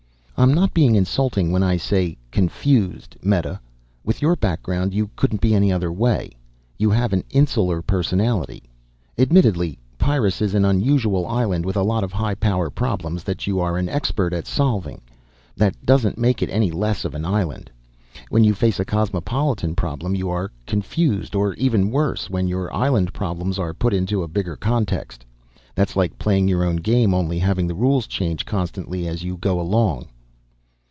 "I'm not being insulting when I say 'confused,' Meta. With your background you couldn't be any other way. You have an insular personality. Admittedly, Pyrrus is an unusual island with a lot of high power problems that you are an expert at solving. That doesn't make it any less of an island. When you face a cosmopolitan problem you are confused. Or even worse, when your island problems are put into a bigger context. That's like playing your own game, only having the rules change constantly as you go along."